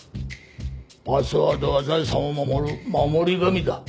パスワードは財産を守る守り神だ。